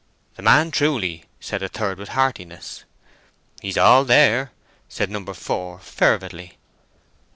"The man, truly!" said a third, with heartiness. "He's all there!" said number four, fervidly.